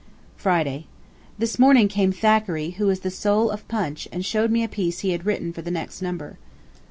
Friday. This morning came Thackeray, who is the soul of Punch, and showed me a piece he had written for the next number.